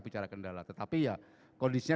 bicara kendala tetapi ya kondisinya